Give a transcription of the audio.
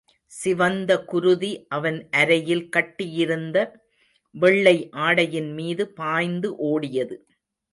சிவந்த குருதி அவன் அரையில் கட்டியிருந்த வெள்ளை ஆடையின் மீது பாய்ந்து ஓடியது.